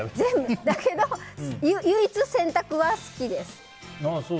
だけど唯一、洗濯は好きです。